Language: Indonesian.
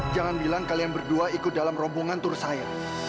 jangan bilang kalian berdua ikut dalam rombongan tur saya